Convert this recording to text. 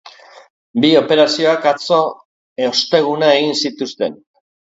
Bi operazioak atzo, osteguna, egin zituzten.